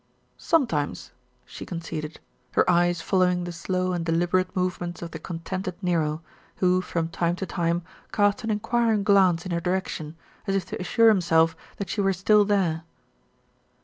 "Sometimes," she conceded, her eyes following the slow and deliberate movements of the contented Nero, who from time to time cast an enquiring glance in her direction, as if to assure himself that she were still there.